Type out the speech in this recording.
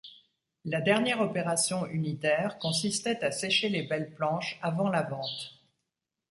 La dernière opération unitaire consistait à sécher les belles planches avant la vente.